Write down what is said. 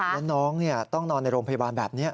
แล้วน้องต้องนอนในโรงพยาบาลแบบนี้